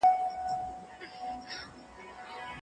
سعید خپل انځور په ډېر پام سره رنګ کړ.